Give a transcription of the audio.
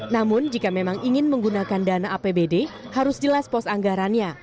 namun jika memang ingin menggunakan dana apbd harus jelas pos anggarannya